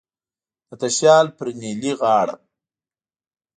د تشیال پر نیلی غاړه